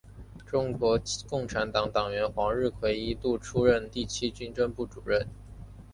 中国共产党党员黄日葵一度出任第七军政治部主任。